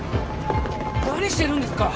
何してるんですか！？